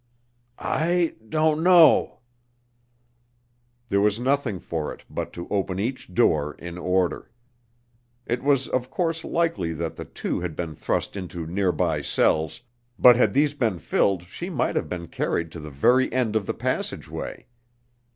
"I don't know." There was nothing for it but to open each door in order. It was of course likely that the two had been thrust into nearby cells, but had these been filled she might have been carried to the very end of the passageway.